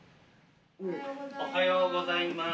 おはようございます。